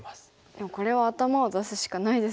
でもこれは頭を出すしかないですよね。